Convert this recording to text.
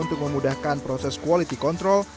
untuk memudahkan proses quality control